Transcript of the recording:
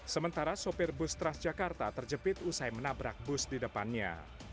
sementara sopir bus transjakarta terjepit usai menabrak bus di depannya